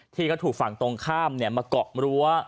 ที่ก็ถูกฝั่งตรงข้ามมาเกาะรั้ว